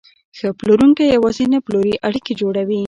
ښه پلورونکی یوازې نه پلوري، اړیکې جوړوي.